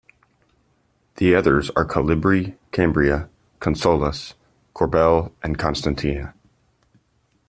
The others are Calibri, Cambria, Consolas, Corbel and Constantia.